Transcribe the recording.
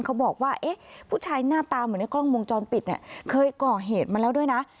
เขาบอกว่าเอ๊ะผู้ชายหน้าตาเหมือนในกล้องวงจรปิดเนี่ยเคยก่อเหตุมาแล้วด้วยนะ